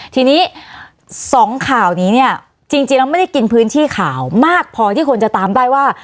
ทีนี้๒ข่าวนี้เนี่ยจริงแล้วไม่ได้กินพื้นที่ข่าวมากพอที่คนจะตามได้ว่า